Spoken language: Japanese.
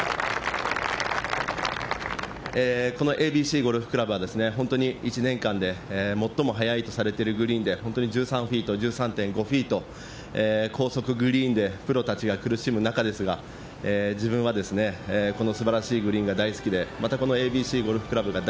このＡＢＣゴルフ倶楽部は、本当に１年間で最も速いとされてるグリーンで、１３フィート、１３．５フィート、高速グリーンで、プロたちが苦しむ中ですが、自分はこのすばらしいグリーンが大好きで堀川未来